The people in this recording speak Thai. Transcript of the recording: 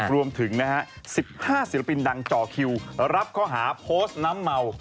๑๕ศิลปินดังจ่อคิวรับข้อหาโพสต์น้ำเมา